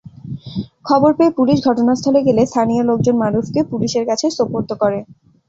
খবর পেয়ে পুলিশ ঘটনাস্থলে গেলে স্থানীয় লোকজন মারুফকে পুলিশের কাছে সোপর্দ করে।